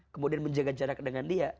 kemudian menjaga jarak dengan dia